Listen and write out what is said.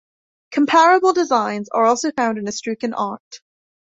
Comparable designs are also found in Etruscan art.